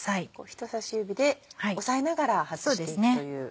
人さし指で押さえながら外していくという。